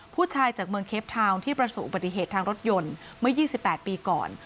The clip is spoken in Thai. ผู้ชายจากเมืองเคฟทาวน์ที่ประสบอุบัติเหตุทางรถยนต์เมื่อ๒๘ปีก่อน